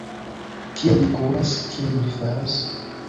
Kien li kuras? Kion li faras?